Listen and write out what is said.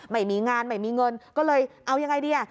ไม่มีงานไม่มีเงินก็เลยเอายังไงดีอ่ะ